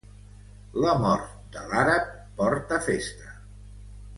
La mort de l'àrab portà festa.